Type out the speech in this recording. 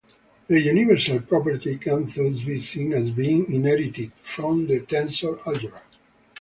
The universal property can thus be seen as being inherited from the tensor algebra.